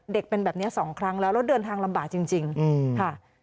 เป็นแบบนี้๒ครั้งแล้วแล้วเดินทางลำบากจริงค่ะ